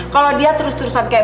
kalau dia terus terusan kayak